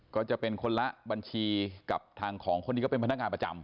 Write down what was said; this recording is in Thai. ก็จะเป็นคนละบัญชีกับทางของคนที่เขาเป็นพนักงานประจำ